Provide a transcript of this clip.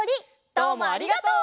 どうもありがとう。